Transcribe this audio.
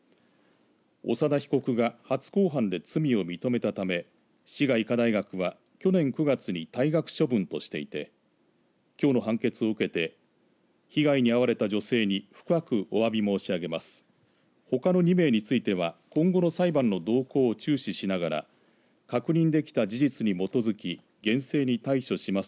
長田被告が初公判で罪を認めたため滋賀医科大学は去年９月に退学処分としていてきょうの判決を受けて被害に遭われた女性に深くおわび申し上げます。